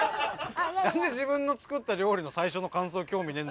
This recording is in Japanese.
何で自分の作った料理の最初の感想興味ねえ